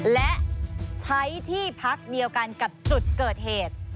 และใช้ที่พักเดียวกันกับจุดเกิดเหตุ